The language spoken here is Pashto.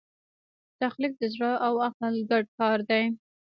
تخلیق د زړه او عقل ګډ کار دی.